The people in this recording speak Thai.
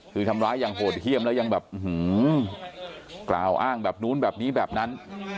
คือทำร้ายอย่างโหดเยี่ยมแล้วยังแบบกล่าวอ้างแบบนู้นแบบนี้แบบนั้น